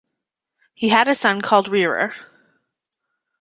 He had a son called Rerir.